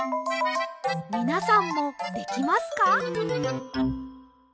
みなさんもできますか？